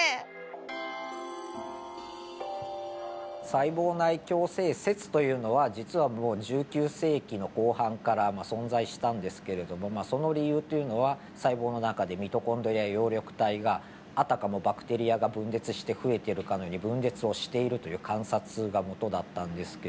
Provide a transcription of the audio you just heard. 細胞内共生説というのは実はもう１９世紀の後半から存在したんですけれどもその理由というのは細胞の中でミトコンドリア葉緑体があたかもバクテリアが分裂して増えているかのように分裂をしているという観察がもとだったんですけれども。